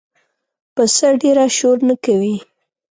پسه ډېره شور نه کوي.